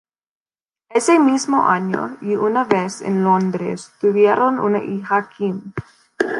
Ese mismo año, y una vez en Londres, tuvieron una hija, Kim.